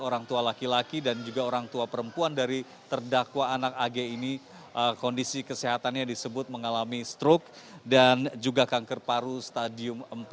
orang tua laki laki dan juga orang tua perempuan dari terdakwa anak ag ini kondisi kesehatannya disebut mengalami stroke dan juga kanker paru stadium empat